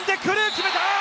決めた！